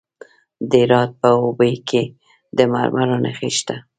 د هرات په اوبې کې د مرمرو نښې شته.